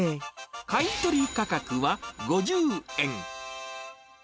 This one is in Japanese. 買い取り価格は５０円。